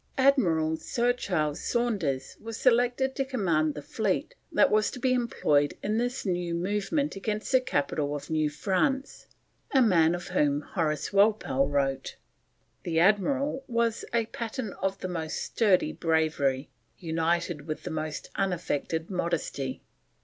Admiral Sir Charles Saunders was selected to command the fleet that was to be employed in this new movement against the capital of New France; a man of whom Horace Walpole wrote: "The Admiral was a pattern of the most sturdy bravery, united with the most unaffected modesty.